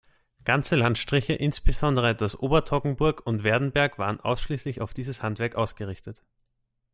Ganze Landstriche, insbesondere das Obertoggenburg und Werdenberg waren ausschliesslich auf dieses Handwerk ausgerichtet.